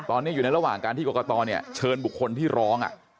ตอนนี้อยู่ในระหว่างการที่กรกตเชิญบุคคลที่ร้อง